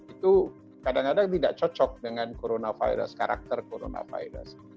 itu kadang kadang tidak cocok dengan karakter corona virus